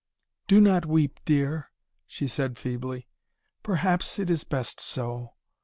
"Do not weep, dear," she said feebly. "Perhaps it is best so.